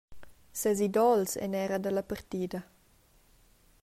Ses idols ein era dalla partida.